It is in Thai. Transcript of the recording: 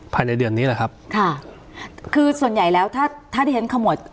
ภายในเดือนนี้แหละครับค่ะคือส่วนใหญ่แล้วถ้าถ้าที่ฉันขมวด